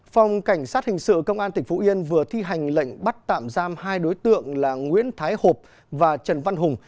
phòng cảnh sát hình sự công an tỉnh phú yên vừa thi hành lệnh bắt tạm giam hai đối tượng là nguyễn thái hộp và trần văn hùng